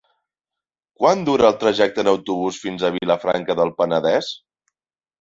Quant dura el trajecte en autobús fins a Vilafranca del Penedès?